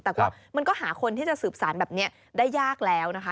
แต่ว่ามันก็หาคนที่จะสืบสารแบบนี้ได้ยากแล้วนะคะ